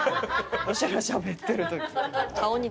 わしらしゃべってる時。